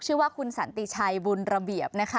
ชื่อว่าคุณสันติชัยบุญระเบียบนะคะ